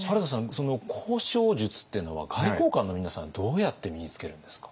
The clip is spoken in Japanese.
その交渉術っていうのは外交官の皆さんどうやって身につけるんですか？